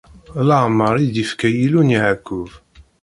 D lameṛ i d-ifka Yillu n Yeɛqub.